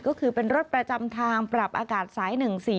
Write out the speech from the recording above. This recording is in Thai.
ก็คือเป็นรถประจำทางปรับอากาศสาย๑๔